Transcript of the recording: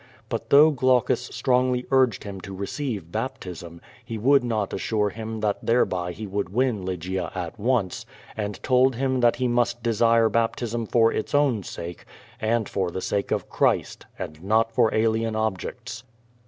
But though Glaucus strongly urged him to receive baptism, he would not assure him that thereby he would win Lygia at once, and told him that he must desire baptism for its own sake, and for the sake of Christ, and not for alien objects.